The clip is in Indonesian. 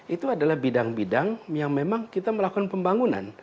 itu adalah bidang bidang yang memang kita melakukan pembangunan